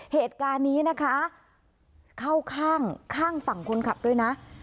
เหตุการณ์นี้นะคะเข้าข้างข้างฝั่งคนขับด้วยนะ